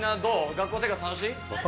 学校生活楽しい？」